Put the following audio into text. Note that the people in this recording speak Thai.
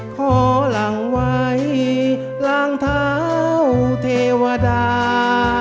ขอหลังไว้ล้างเท้าเทวดา